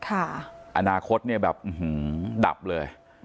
อาณาคตนี่แบบหือหือดับเลย